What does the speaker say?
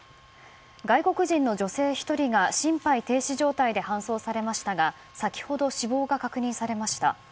外国人の女性１人が心肺停止状態で搬送されましたが先ほど、死亡が確認されました。